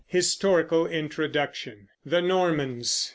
HISTORICAL INTRODUCTION THE NORMANS.